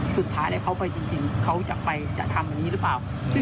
สุดท้ายเขาเอาใจไปที่นี่รึไม่